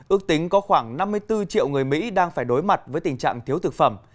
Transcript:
ước tính có khoảng năm mươi bốn triệu người mỹ đang phải đối mặt với tình trạng thiếu thực phẩm